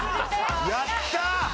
やった！